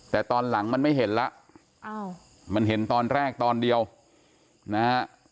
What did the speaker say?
แต่ตอนหลังมันไม่เห็นแล้วมันเห็นตอนแรกตอนเดียวนะฮะ